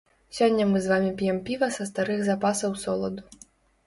Сёння мы з вамі п'ем піва са старых запасаў соладу.